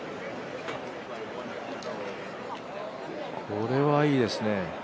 これはいいですね。